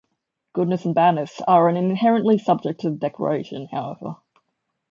Goodness and badness are an inherently subjective declaration, however.